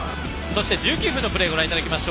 そして１９分のプレーです。